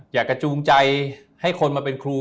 กระจูงใจให้คนมาเป็นครู